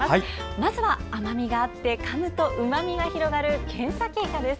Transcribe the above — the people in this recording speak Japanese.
まずは、甘みがあってかむと、うまみが広がるケンサキイカです。